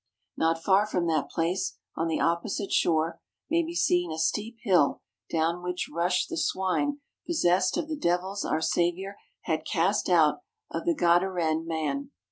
Not far from that place, on the opposite shore, may be seen a steep hill down which rushed the swine possessed of the devils our Saviour had cast out of the Gadarene man.